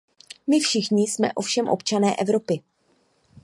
My všichni jsme ovšem občané Evropy.